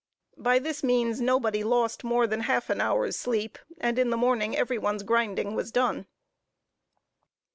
By this means nobody lost more than half an hour's sleep, and in the morning every one's grinding was done.